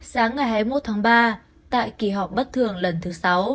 sáng ngày hai mươi một tháng ba tại kỳ họp bất thường lần thứ sáu